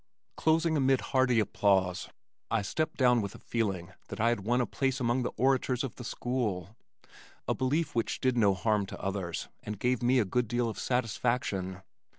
Closing amid hearty applause, I stepped down with a feeling that I had won a place among the orators of the school, a belief which did no harm to others and gave me a good deal of satisfaction.